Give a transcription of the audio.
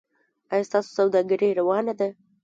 ایا ستاسو سوداګري روانه ده؟